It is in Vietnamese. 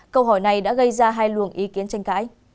câu hỏi này đã gây ra hai luồng ý kiến tranh cãi